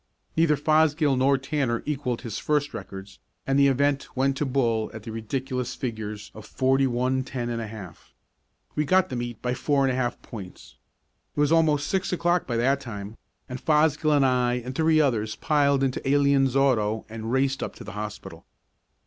Neither Fosgill nor Tanner equaled his first records and the event went to Bull at the ridiculous figures of forty one, ten and a half. We got the meet by four and a half points. It was almost six o'clock by that time, and Fosgill and I and three others piled into Alien's auto and raced up to the hospital.